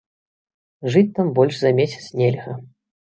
Жыць там больш за месяц нельга.